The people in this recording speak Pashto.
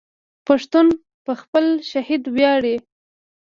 پښتون په خپل شهید ویاړي.